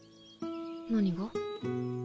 何が？